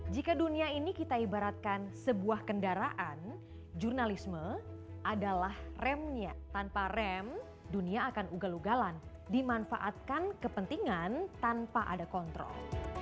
jika dunia ini kita ibaratkan sebuah kendaraan jurnalisme adalah remnya tanpa rem dunia akan ugal ugalan dimanfaatkan kepentingan tanpa ada kontrol